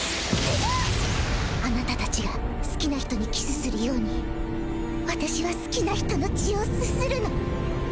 あなた達が好きな人にキスするように私は好きな人の血を啜るの。